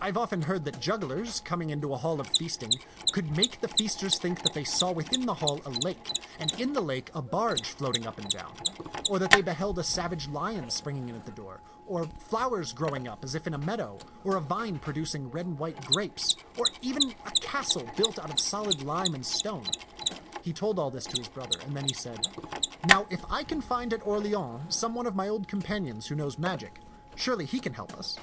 I have often heard that jugglers, com ing into a hall of feasting, could make the feasters think €^^ ^tanUxn'B tak 193 that they saw within the hall a lake, and in the lake a barge floating up and down ; or that they beheld a savage lion springing in at the door, or flowers growing up as if in a meadow, or a vine producing red and white grapes, or even a castle built of solid lime and stone." He told all this to his brother, and then he said, Now if I can find at Orleans some one of my old companions who knows magic, surely he can help us.